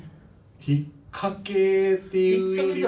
引っ掛けっていうよりは。